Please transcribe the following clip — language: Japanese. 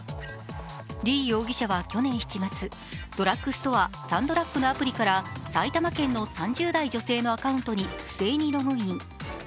李容疑者は、去年７月、ドラッグストア、サンドラッグのアプリから埼玉県の３０代女性のアカウントに不正ログイン。